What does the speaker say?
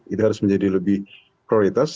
itu harus menjadi lebih prioritas